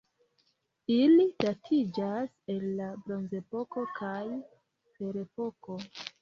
Ili datiĝas el la bronzepoko kaj ferepoko.